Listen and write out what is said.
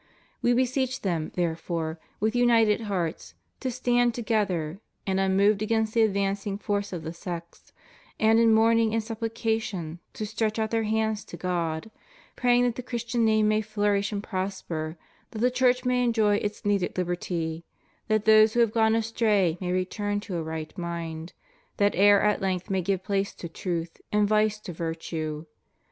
We beseech them, therefore, with united hearts, to stand together and unmoved against the advancing force of the sects; and in mourning and supplication to stretch out their hands to God, praying that the Christian name may flourish and prosper, that the Church may enjoy its needed liberty, that those who have gone astray may return to a right mind, that error at length may give place to truth, and vice to virtue.